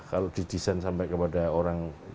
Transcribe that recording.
kalau didesain sampai kepada orang